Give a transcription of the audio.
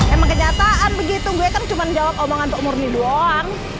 emang kenyataan begitu gue kan cuma jawab omongan untuk murni doang